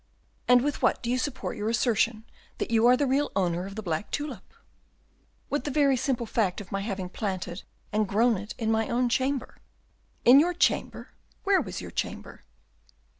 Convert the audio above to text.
"And with what do you support your assertion that you are the real owner of the black tulip?" "With the very simple fact of my having planted and grown it in my own chamber." "In your chamber? Where was your chamber?"